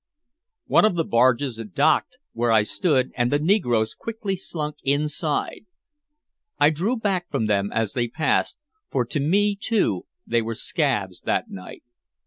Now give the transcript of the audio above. One of the barges docked where I stood and the negroes quickly slunk inside. I drew back from them as they passed, for to me too they were "scabs" that night.